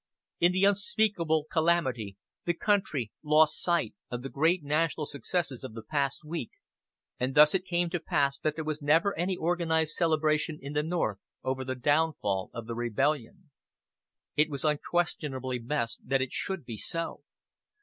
In the unspeakable calamity the country lost sight of the great national successes of the past week; and thus it came to pass that there was never any organized celebration in the North over the downfall of the rebellion. It was unquestionably best that it should be so.